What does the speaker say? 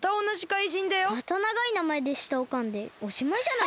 またながいなまえでしたをかんでおしまいじゃないですか？